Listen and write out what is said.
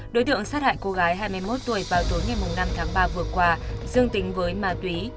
đối tượng sát hại cô gái hai mươi một tuổi vào tối ngày năm tháng ba vừa qua dương tính với ma túy